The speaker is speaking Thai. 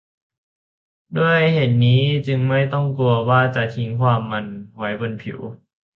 ด้วยเหตุนี้จึงไม่ต้องกลัวว่าจะทิ้งความมันไว้บนผิว